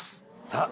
さあ